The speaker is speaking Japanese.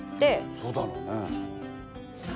そうだろうね。